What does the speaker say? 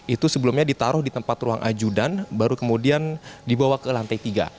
itu sebelumnya ditaruh di tempat ruang ajudan baru kemudian dibawa ke lantai tiga